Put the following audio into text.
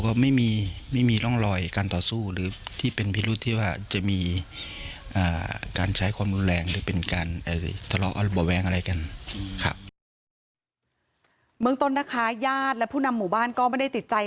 ก็ไม่ได้ติดใจที่ว่าจะมีการใช้ความรุนแรงหรือเป็นการทะเลาะบ่วงแว้งอะไรกันค่ะ